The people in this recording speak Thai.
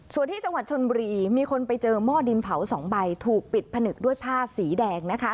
ส่วนที่จังหวัดชนบุรีมีคนไปเจอหม้อดินเผา๒ใบถูกปิดผนึกด้วยผ้าสีแดงนะคะ